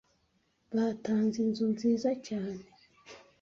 Batanze inzu nziza cyane.